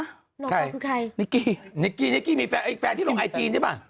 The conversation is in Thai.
นอกอมคือใครนิกนิกมีแฟนที่ร้องไอจีนหรือยังเปล่า